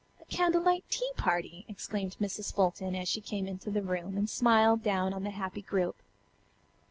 "A candle light tea party," exclaimed Mrs. Fulton, as she came into the room and smiled down on the happy group.